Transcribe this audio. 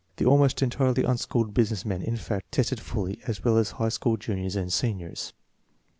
The almost entirely unschooled business men, in fact, tested fully as well as high school juniors and seniors.